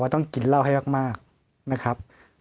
ต้องกินเหล้าให้มากนะครับ